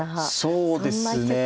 そうですね。